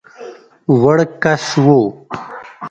وړ کس وو.